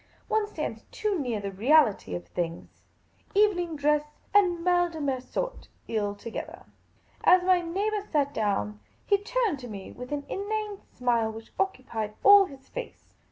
One stands too near the realities of things. Evening dress and mal dc vier sort ill together. As my neighbour sat down, he turned to rtic with an inane smile which occupied all his face.